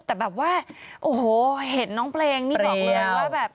แต่แบบว่าโอ้โหเห็นน้องเพลงนี่บอกเลยว่าแบบ